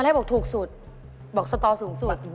แรกบอกถูกสุดบอกสตอสูงสุด